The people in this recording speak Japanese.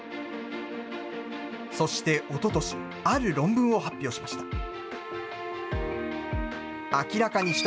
そしておととし、ある論文を発表しました。